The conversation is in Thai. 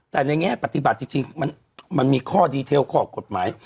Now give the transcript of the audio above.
แต่ในแง่ปฏิบัติจริงมันมีข้อดีเทลข้อกฎหมาย